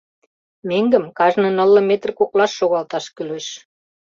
Меҥгым кажне нылле метр коклаш шогалташ кӱлеш.